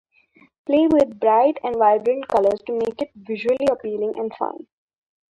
Play with bright and vibrant colors to make it visually appealing and fun.